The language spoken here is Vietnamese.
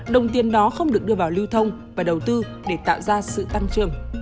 đồng tiền đó không được đưa vào lưu thông và đầu tư để tạo ra sự tăng trưởng